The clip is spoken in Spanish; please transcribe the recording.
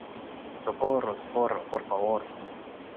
¡ socorro, socorro! ¡ por favor !